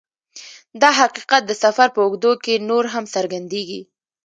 دا حقیقت د سفر په اوږدو کې نور هم څرګندیږي